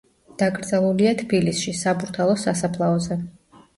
დაკრძალულია თბილისში საბურთალოს სასაფლაოზე.